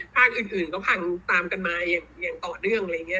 ภาคอื่นก็ตามกันมาอย่างต่อเดิม